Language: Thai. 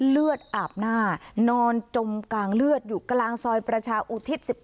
เลือดอาบหน้านอนจมกลางเลือดอยู่กลางซอยประชาอุทิศ๑๑